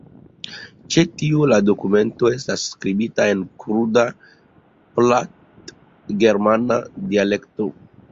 Ĉe tio la dokumento estas skribita en kruda platgermana dialekto.